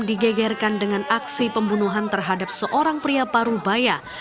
digegerkan dengan aksi pembunuhan terhadap seorang pria paruh baya